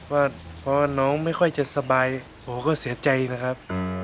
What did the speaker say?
เพราะว่าน้องไม่ค่อยจะสบายผมก็เสียใจนะครับ